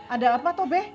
ada apa toh be